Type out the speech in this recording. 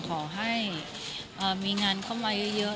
ขอให้มีงานเข้ามาเยอะ